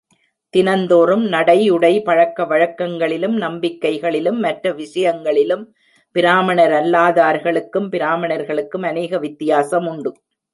தினந்தோறும் நடை உடை பழக்க வழக்கங்களிலும் நம்பிக்கைகளிலும் மற்ற விஷயங்களிலும், பிராமணரல்லாதார்களுக்கும் பிராமணர்களுக்கும் அநேக வித்தியாசமுண்டு.